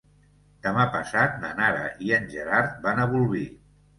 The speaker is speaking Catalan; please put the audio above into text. Demà passat na Nara i en Gerard van a Bolvir.